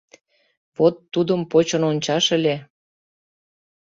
— Вот тудым почын ончаш ыле.